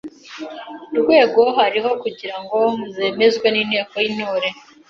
rwego bariho; kugira ngo zemezwe n’Inteko y’Intore;